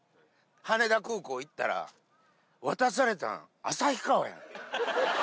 羽田空港行ったら、渡されたん、旭川やん。